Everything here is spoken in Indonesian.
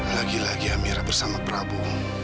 lagi lagi amira bersama prabowo